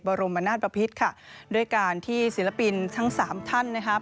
บรมนาศปภิษค่ะด้วยการที่ศิลปินทั้งสามท่านนะครับ